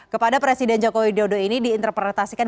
kepada presiden joko widodo ini diinterpretasikan